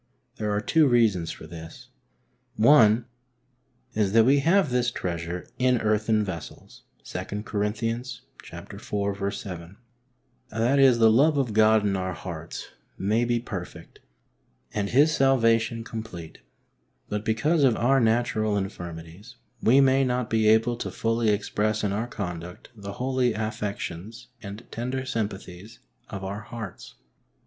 There are two reasons for this. One is that we " have this treasure in earthen vessels " (2 Cor. iv. 7) — that is, the love of God in our hearts may be perfect and His 24 HEART TALKS ON HOLINESS. salvation complete, but because of our natural infirmities we may not be able to fully express in our conduct the holy affections and tender sympathies of our hearts.